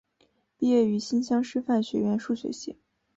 毕业于新乡师范学院数学系。